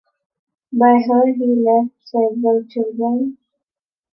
By her he left several children.